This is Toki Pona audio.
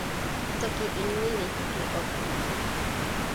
toki Inli li toki open mi.